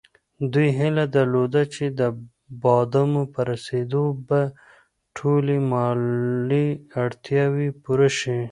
دوی هیله درلوده چې د بادامو په رسېدو به ټولې مالي اړتیاوې پوره شي.